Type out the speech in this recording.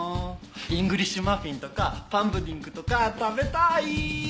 イングリッシュマフィンとかパンプディングとか食べたい！